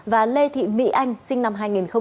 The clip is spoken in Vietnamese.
và lê thị mỹ anh sinh năm hai nghìn